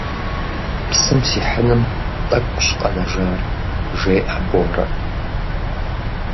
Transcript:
Псым сихьыным тӏэкӏущ къэнэжар, - жеӏэ Борэ.